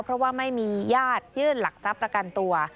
เพราะว่าไม่มีญาติยื่นหลักทรัพย์ประกันตัว